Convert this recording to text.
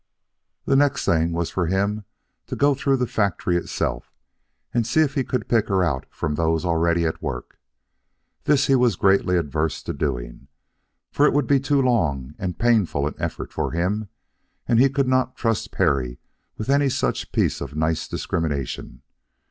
The next thing was for him to go through the factory itself and see if he could pick her out from those already at work. This he was greatly averse to doing; it would be too long and painful an effort for him, and he could not trust Perry with any such piece of nice discrimination.